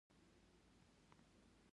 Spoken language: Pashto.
مسلکي ایډېټر ته مې نشوای سپارلی.